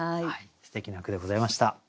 すてきな句でございました。